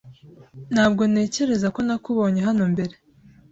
Ntabwo ntekereza ko nakubonye hano mbere